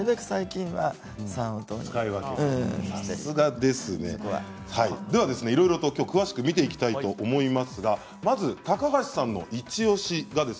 最近は三温糖をきょうは、いろいろと詳しく見ていきたいと思いますがまず高橋さんのイチおしが